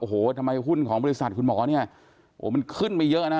โอ้โหทำไมหุ้นของบริษัทคุณหมอเนี่ยโอ้โหมันขึ้นไปเยอะนะฮะ